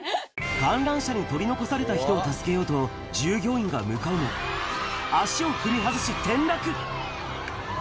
観覧車に取り残された人を助けようと、従業員が向かうも、足を踏み外し、転落。